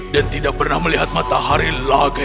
tidak pernah melihat matahari lagi